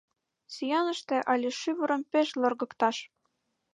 Сӱаныште але шӱвырым пеш лоргыкташ.